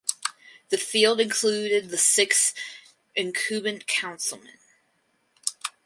The field included the six incumbent councilmen.